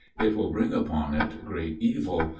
it will bring upon it great evil